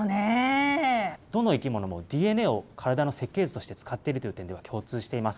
どの生き物もＤＮＡを体の設計図として使っているという点では共通しています。